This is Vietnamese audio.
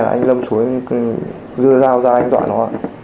anh lâm xuống em rưa dao ra anh dọa nó